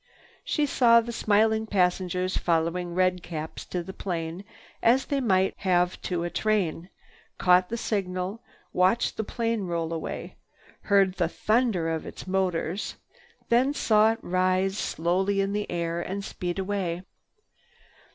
She saw the smiling passengers following redcaps to the plane as they might have to a train, caught the signal, watched the plane roll away, heard the thunder of its motors, then saw it rise slowly in air and speed away.